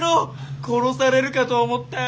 殺されるかと思ったよ。